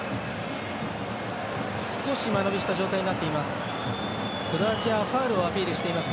少し間延びした状態になっています。